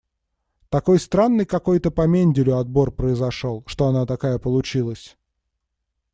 Такой странный какой-то по Менделю отбор произошёл, что она такая получилась.